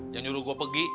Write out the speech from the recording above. yang nyuruh gua pergi